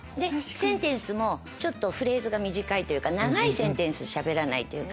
センテンスもちょっとフレーズが短いというか長いセンテンスしゃべらないというか。